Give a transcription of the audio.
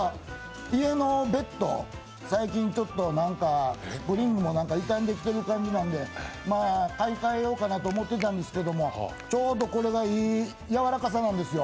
もう家のベッド、最近ちょっとスプリングも傷んできてて買い換えようかなと思ってたんですけど、ちょうどこれがいいやわらかさなんですよ。